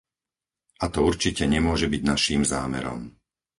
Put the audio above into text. A to určite nemôže byť naším zámerom.